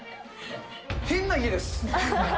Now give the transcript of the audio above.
変な家です！